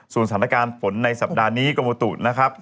สถานการณ์ฝนในสัปดาห์นี้กรมตุนะครับ